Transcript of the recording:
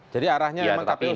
jadi arahnya kpu sudah membatasi